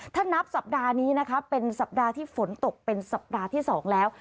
ถ้านับสัปดาห์นี้นะคะเป็นสัปดาห์ที่ฝนตกเป็นสัปดาห์ที่๒แล้ว